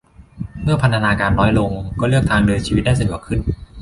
เมื่อพันธนาการน้อยลง ก็เลือกทางเดินชีวิตได้สะดวกขึ้น